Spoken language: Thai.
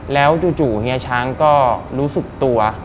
แล้วจู่เฮียช้างก็รู้สึกตัว